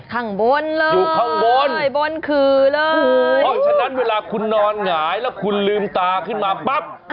ข้างบนเลยอยู่ข้างบนอยู่บนขื่อเลยเพราะฉะนั้นเวลาคุณนอนหงายแล้วคุณลืมตาขึ้นมาปั๊บ